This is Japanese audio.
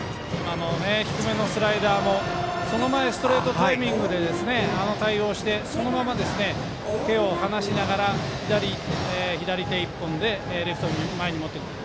低めのスライダーもその前ストレートタイミングであの対応をしてそのまま手を離しながら左手１本でレフト前に持っていく。